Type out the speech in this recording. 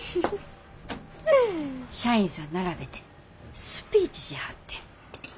社員さん並べてスピーチしはってん。